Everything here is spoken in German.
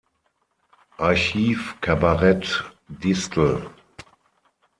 Archiv Kabarett Distel